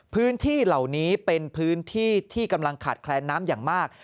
พื้นที่เหล่านี้เป็นพื้นที่ที่กำลังขาดแคลนน้ำอย่างมาก